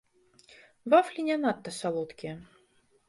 Вафлі не надта салодкія.